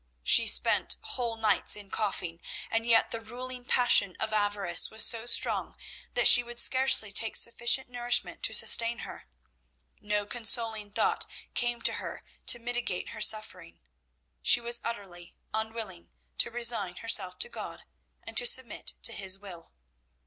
She spent whole nights in coughing, and yet the ruling passion of avarice was so strong that she would scarcely take sufficient nourishment to sustain her. No consoling thought came to her to mitigate her suffering. She was utterly unwilling to resign herself to God and to submit to His will.